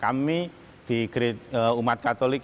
kami di umat katolik